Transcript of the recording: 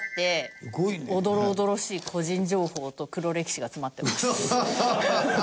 おどろおどろしい個人情報と黒歴史が詰まってます。